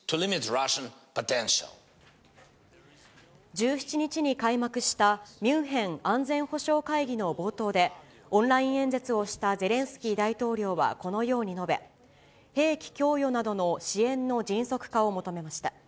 １７日に開幕したミュンヘン安全保障会議の冒頭で、オンライン演説をしたゼレンスキー大統領はこのように述べ、兵器供与などの支援の迅速化を求めました。